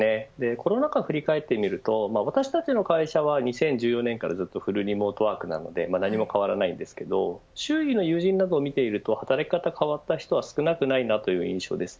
コロナ禍振り返ってみると私たちの会社は２０１４年からずっとフルリモートワークなので何も変わらないんですけど周囲の友人などを見ていると働き方、変わった人は少なくないなという印象です。